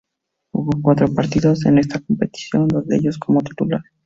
Jugó cuatro partidos en esta competición, dos de ellos como titular.